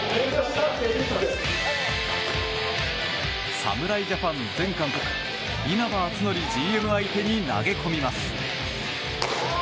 侍ジャパン前監督稲葉篤紀ＧＭ相手に投げ込みます。